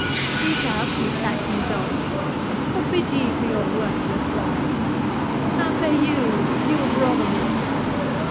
—Speak out, ye Saxon dogs—what bid ye for your worthless lives?—How say you, you of Rotherwood?"